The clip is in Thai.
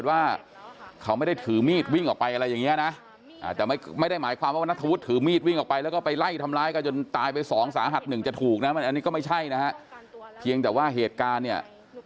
อันนี้ก็ไม่ใช่นะเชียงแต่ว่าเหตุการณ์เนี่ย